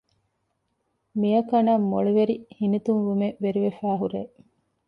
މިއަކަނަށް މޮޅިވެރި ހިނިތުންވުމެއް ވެރިވެފައި ހުރޭ